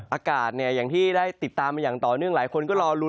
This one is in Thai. อากาศเนี่ยอย่างที่ได้ติดตามมาอย่างต่อเนื่องหลายคนก็รอลุ้น